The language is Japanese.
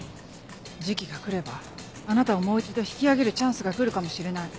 時期が来ればあなたをもう一度引き上げるチャンスが来るかもしれない。